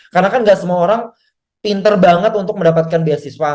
karena kan gak semua orang pinter banget untuk mendapatkan beasiswa